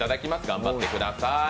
頑張ってください。